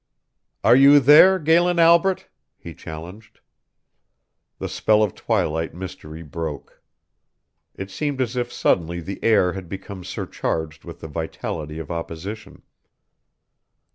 "Are you there, Galen Albret?" he challenged. The spell of twilight mystery broke. It seemed as if suddenly the air had become surcharged with the vitality of opposition.